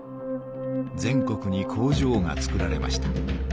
全国に工場がつくられました。